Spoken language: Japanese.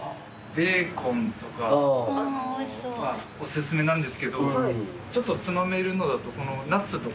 ベーコンとかお薦めなんですけどちょっとつまめるのだとこのナッツとか。